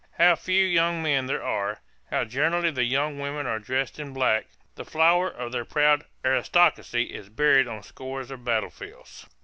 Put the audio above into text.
How few young men there are, how generally the young women are dressed in black! The flower of their proud aristocracy is buried on scores of battle fields."